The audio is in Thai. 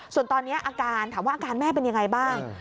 ส่วนตอนนี้อาการถามว่าอาการแม่เป็นยังไงบ้าง